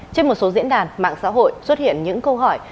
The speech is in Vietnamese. trên một số diễn đàn mạng xã hội xuất hiện những câu hỏi